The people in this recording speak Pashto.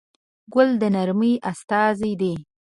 ګل د نرمۍ استازی دی.